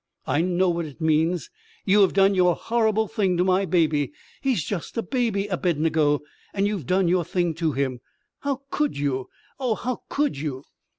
I know what it means. You have done your horrible thing to my baby. He's just a baby, Abednego. And you've done your thing to him. How could you? Oh, how could you!"